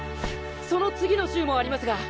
その次の週もありますが。